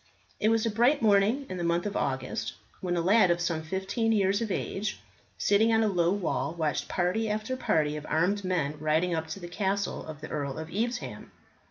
It was a bright morning in the month of August, when a lad of some fifteen years of age, sitting on a low wall, watched party after party of armed men riding up to the castle of the Earl of Evesham.